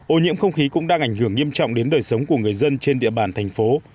ô nhiễm không khí cũng đang ảnh hưởng nghiêm trọng đến đời sống của người dân trên địa bàn thành phố